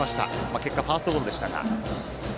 結果、ファーストゴロでしたが。